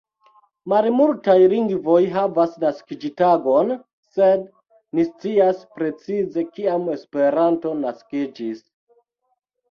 Malmultaj lingvoj havas naskiĝtagon, sed ni scias, precize kiam Esperanto naskiĝis.